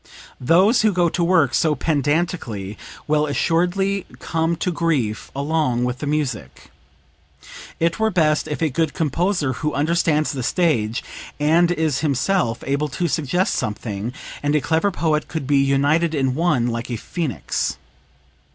Those who go to work so pedantically will assuredly come to grief along with the music. It were best if a good composer, who understands the stage, and is himself able to suggest something, and a clever poet could be united in one, like a phoenix.